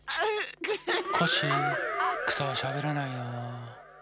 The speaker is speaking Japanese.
コッシーくさはしゃべらないよ。